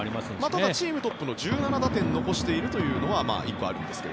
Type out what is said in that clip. ただチームトップの１７打点残しているというのは１個あるんですが。